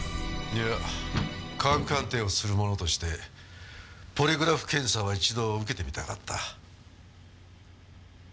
いや科学鑑定をする者としてポリグラフ検査は一度受けてみたかった。